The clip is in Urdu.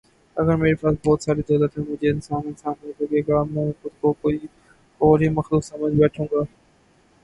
اگر میرے پاس بہت ساری دولت ہے مجھے انسان انسان نہیں لگے گا۔۔ می خود کو کوئی اور ہی مخلوق سمجھ بیٹھوں گا